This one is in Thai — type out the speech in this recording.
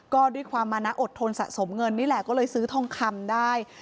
ก็ด้วยความมานะอดทนสะสมเงินนี่แหละก็เลยซื้อทองคำได้